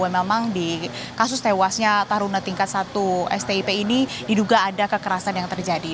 memang di kasus tewasnya taruna tingkat satu stip ini diduga ada kekerasan yang terjadi